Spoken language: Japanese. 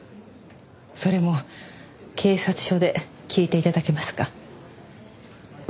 それも警察署で聞いて頂けますか。